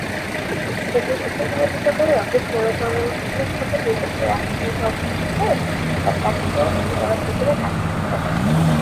এ দুইটি প্রতিনিধিত্বকারী অফিস মূলত অনানুষ্ঠানিকভাবে দুই দেশের রাজধানীতে অবস্থিত হয়ে "দে ফ্যাক্টো" দূতাবাস হিসেবে কাজ করছে।